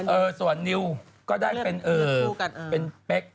ส่วนนิวก็ได้เป็นเป๊ก